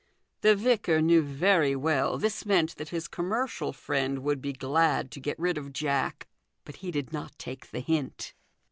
The vicar knew very well this meant that his commercial friend would be glad to get rid of Jack, but he did not take the hint.